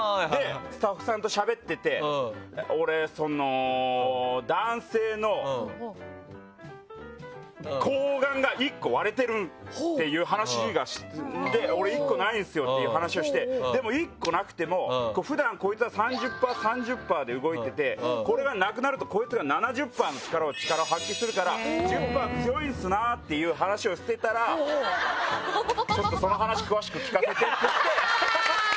スタッフさんとしゃべってて男性の睾丸が１個割れてるって話で１個ないんですよって話をしてでも、１個なくても普段こいつは３０％、３０％で動いていてこれがなくなると、こいつが７０％の力を発揮するから１０％強いんすなーって話をしていたらちょっとその話詳しく聞かせてって言われて。